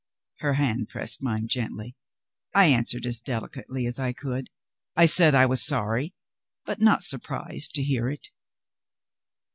Her hand pressed mine gently. I answered as delicately as I could I said I was sorry, but not surprised, to hear it.